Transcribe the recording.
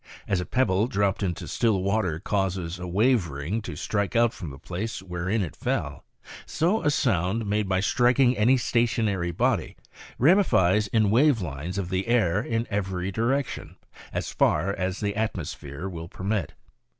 (^1 As a pebble dropped into still water causes a wave ring to strike out from the place wherein it fell, so a sound made by striking any stationary body ramifies in wave lines of the air in every direction, as far as the atmosphere will permit.